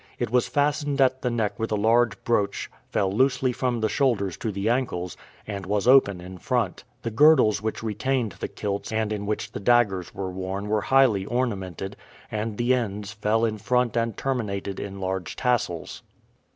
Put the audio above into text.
It was fastened at the neck with a large brooch, fell loosely from the shoulders to the ankles, and was open in front. The girdles which retained the kilts and in which the daggers were worn were highly ornamented, and the ends fell down in front and terminated in large tassels.